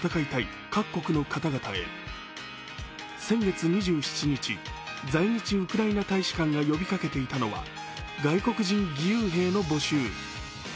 先月２７日、在日ウクライナ大使館が呼びかけていたのは外国人義勇兵の募集。